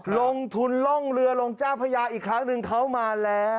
ลงทุนล่องเรือลงเจ้าพญาอีกครั้งหนึ่งเขามาแล้ว